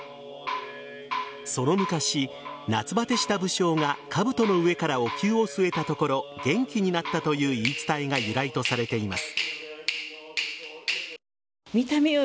その昔、夏バテした武将がかぶとの上からお灸をすえたところ元気になったという言い伝えが由来とされています。